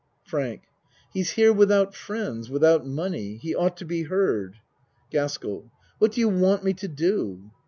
FRANK He's here without friends without money. He ought to be heard. GASKELL What do you want me to do?